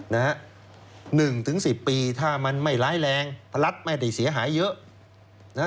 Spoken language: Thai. หนึ่งถึงสิบปีถ้ามันไม่ร้ายแรงพระรัฐไม่ได้เสียหายเยอะ